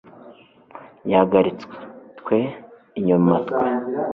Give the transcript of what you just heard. yahagaritswe twe inyuma twe